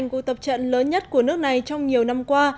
cuộc tập trận lớn nhất của nước này trong nhiều năm qua